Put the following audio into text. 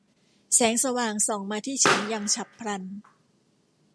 แสงสว่างส่องมาที่ฉันอย่างฉับพลัน